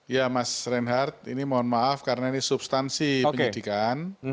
ya mas reinhardt ini mohon maaf karena ini substansi penyidikan